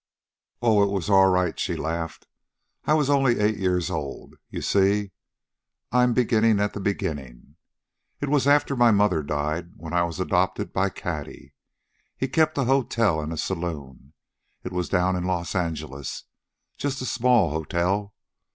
"Oh, it was all right," she laughed. "I was only eight years old. You see, I'm beginning at the beginning. It was after my mother died and when I was adopted by Cady. He kept a hotel and saloon. It was down in Los Angeles. Just a small hotel.